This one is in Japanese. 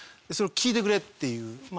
それを聞いてくれっていう。